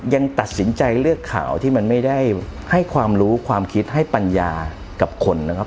ยังตัดสินใจเลือกข่าวที่มันไม่ได้ให้ความรู้ความคิดให้ปัญญากับคนนะครับ